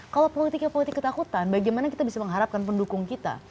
kalau politiknya politik ketakutan bagaimana kita bisa mengharapkan pendukung kita